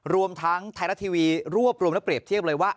รวมทั้งไทยรัฐทีวีรวบรวมและเปรียบเทียบเลยว่า